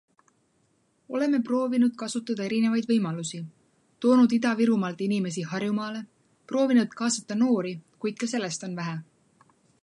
Oleme proovinud kasutada erinevaid võimalusi - toonud Ida-Virumaalt inimesi Harjumaale, proovinud kaasta noori, kuid ka sellest on vähe.